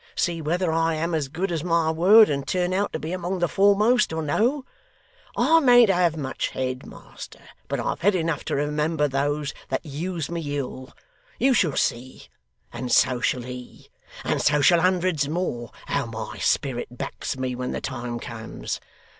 See whether I am as good as my word and turn out to be among the foremost, or no. I mayn't have much head, master, but I've head enough to remember those that use me ill. You shall see, and so shall he, and so shall hundreds more, how my spirit backs me when the time comes.